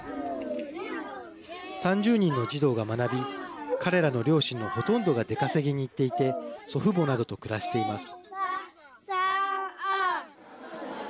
３０人の児童が学び彼らの両親のほとんどが出稼ぎに行っていて祖父母などと暮らしています。